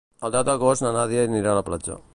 El deu d'agost na Nàdia anirà a la platja.